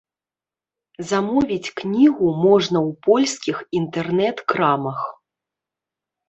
Замовіць кнігу можна ў польскіх інтэрнэт-крамах.